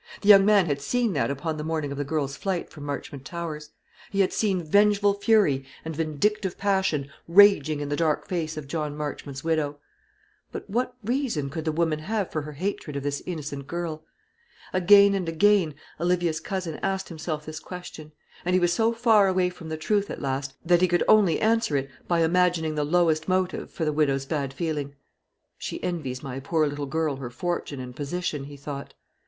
The young man had seen that upon the morning of the girl's flight from Marchmont Towers; he had seen vengeful fury and vindictive passion raging in the dark face of John Marchmont's widow. But what reason could the woman have for her hatred of this innocent girl? Again and again Olivia's cousin asked himself this question; and he was so far away from the truth at last, that he could only answer it by imagining the lowest motive for the widow's bad feeling. "She envies my poor little girl her fortune and position," he thought.